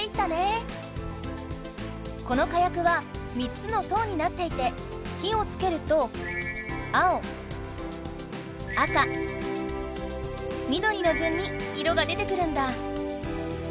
この火薬は３つの層になっていて火をつけるとのじゅんに色が出てくるんだ。